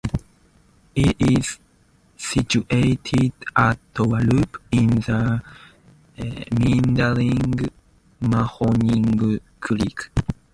It is situated at a loop in the meandering Mahoning Creek.